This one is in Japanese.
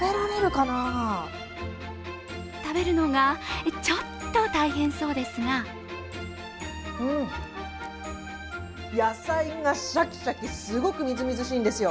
食べるのがちょっと大変そうですが野菜がシャキシャキ、すごくみずみずしいんですよ。